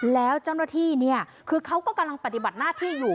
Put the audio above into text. แล้วเจ้าหน้าที่เนี่ยคือเขาก็กำลังปฏิบัติหน้าที่อยู่